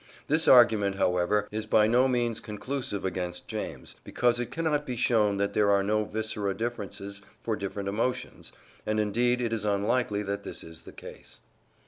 This argument, however, is by no means conclusive against James, because it cannot be shown that there are no visceral differences for different emotions, and indeed it is unlikely that this is the case.